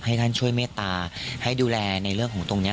ให้ท่านช่วยเมตตาให้ดูแลในเรื่องของตรงนี้